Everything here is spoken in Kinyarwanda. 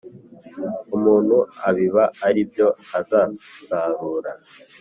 umuntu abiba ari byo azasarura